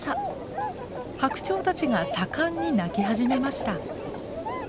ハクチョウたちが盛んに鳴き始めました。